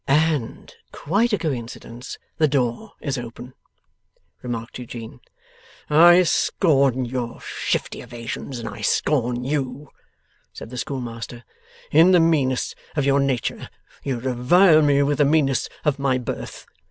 'And quite a coincidence the door is open,' remarked Eugene. 'I scorn your shifty evasions, and I scorn you,' said the schoolmaster. 'In the meanness of your nature you revile me with the meanness of my birth.